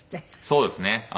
そうですね。